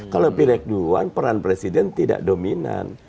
kalau pilek duluan peran presiden tidak dominan